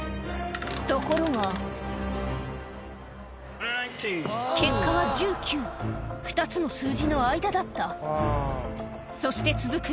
ところが・ナインティーン・結果は１９２つの数字の間だったそして続く